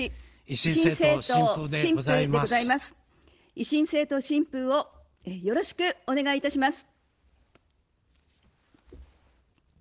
維新政党・新風をよろしくお願いいたします。